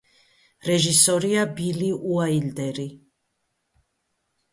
რეჟისორია ბილი უაილდერი.